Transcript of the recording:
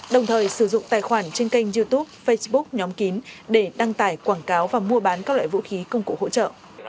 đồng thời sử dụng tài khoản trên kênh youtube facebook nhóm kín để đăng tải quảng cáo và mua bán các loại vũ khí công cụ hỗ trợ